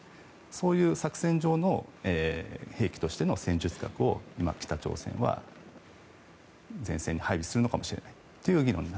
そういう作戦上の兵器としての戦術核を北朝鮮は前線に配備するのかもしれないという議論。